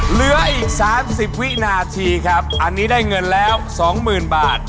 เหลืออีก๓๐วินาทีครับอันนี้ได้เงินแล้ว๒๐๐๐บาท